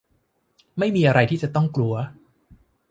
ไม่มีอะไรที่จะต้องกลัว